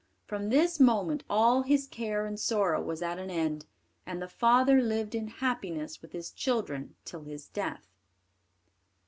From this moment all his care and sorrow was at an end, and the father lived in happiness with his children till his death.